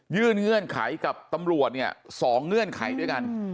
เงื่อนไขกับตำรวจเนี่ย๒เงื่อนไขด้วยกัน